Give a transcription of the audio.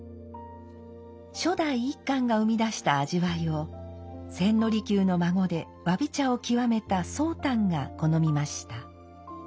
初代一閑が生み出した味わいを千利休の孫で侘び茶を究めた宗旦が好みました。